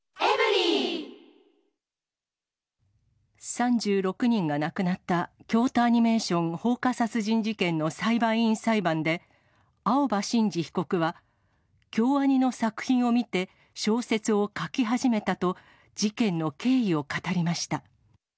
３６人が亡くなった京都アニメーション放火殺人事件の裁判員裁判で、青葉真司被告は、京アニの作品を見て、小説を書き始めたと、事件の経緯を語りました。